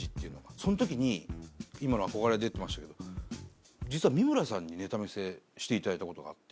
その時に今憧れ出てましたけど実は三村さんにネタ見せしていただいたことがあって。